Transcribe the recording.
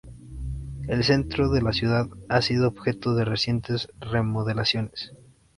El centro de la ciudad ha sido objeto de recientes remodelaciones.